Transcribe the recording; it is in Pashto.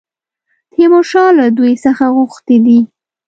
تیمورشاه له دوی څخه غوښتي دي.